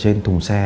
trên thùng xe